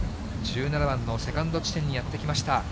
１７番のセカンド地点にやって来ました。